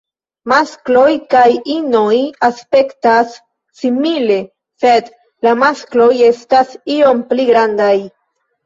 Maskloj kaj inoj aspektas simile, sed la maskloj estas iom pli grandaj.